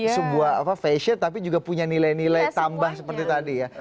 sebuah fashion tapi juga punya nilai nilai tambah seperti tadi ya